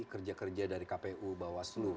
kerja kerja dari kpu bawaslu